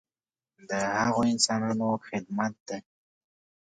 د هغو انسانانو خدمت دی.